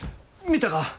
見たか？